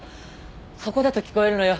そこだと聞こえるのよ。